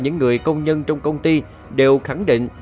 nhân trong công ty đều khẳng định